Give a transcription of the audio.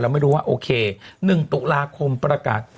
เราไม่รู้ว่าโอเคหนึ่งตุลาคมประกาศ